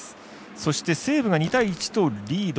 そして、西武が２対１とリード。